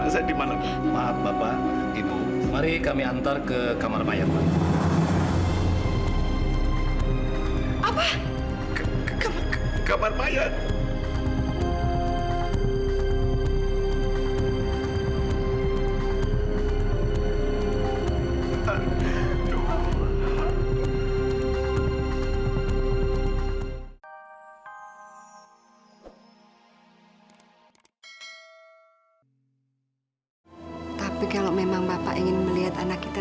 sampai jumpa di video selanjutnya